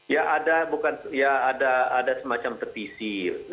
ya ada bukan ya ada semacam petisi